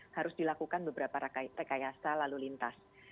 harus dilakukan beberapa rekayasa lalu lintas